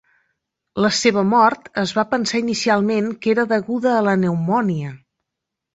La seva mort es va pensar inicialment que era deguda a la pneumònia.